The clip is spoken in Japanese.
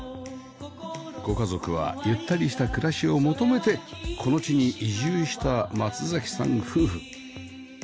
ご家族はゆったりした暮らしを求めてこの地に移住した松さん夫婦